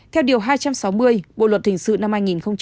theo điều hai trăm sáu mươi bộ luật hình sự năm hai nghìn một mươi năm